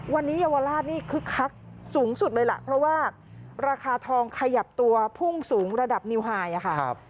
วันนี้เยาวราชนี่คึกคักสูงสุดเลยล่ะเพราะว่าราคาทองขยับตัวพุ่งสูงระดับนิวไฮค่ะ